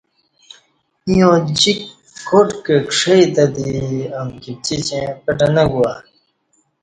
ییں اوجیک کاٹ کہ کݜئ تہ دی امکی پچیچیں پٹں نہ گواہ